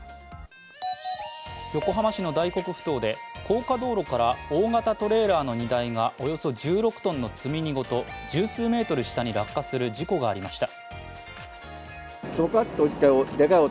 横浜市の大黒ふ頭で高架道路から大型トレーラーの荷台がおよそ１６ｔの積み荷ごと十数ｍ下に落下する事故がありました。